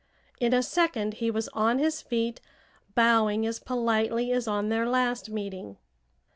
In a second he was on his feet, bowing as politely as on their last meeting.